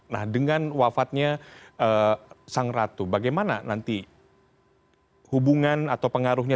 nah dengan wafatnya sang ratu bagaimana nanti hubungan atau pengaruhnya